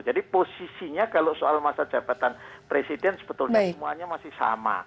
jadi posisinya kalau soal masa jabatan presiden sebetulnya semuanya masih sama